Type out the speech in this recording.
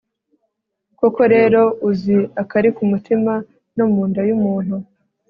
koko rero uzi akari mu mutima no mu nda y'umuntu